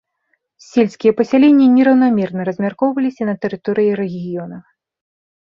Сельскія пасяленні нераўнамерна размяркоўваліся на тэрыторыі рэгіёна.